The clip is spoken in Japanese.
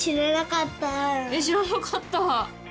知らなかった！